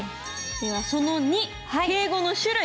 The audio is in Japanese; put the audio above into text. ではその２「敬語の種類」。